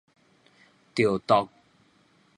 著毒